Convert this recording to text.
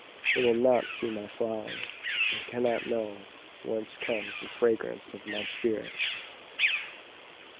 They will not see my flower, And cannot knowWhence comes the fragrance of my spirit!